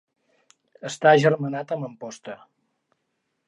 Està agermanat amb Amposta.